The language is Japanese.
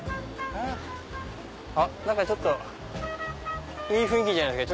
あっ何かちょっといい雰囲気じゃないですか？